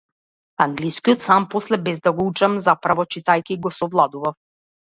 Англискиот сам после, без да го учам, заправо читајќи, го совладував.